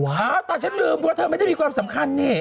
อ้าวแต่ฉันลืมเพราะเธอไม่ได้มีความสำคัญนี่